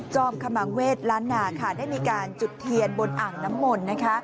อมขมังเวศล้านนาได้มีการจุดเทียนบนอ่างน้ำมนต์